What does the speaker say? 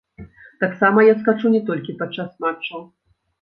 Таксама я скачу не толькі падчас матчаў.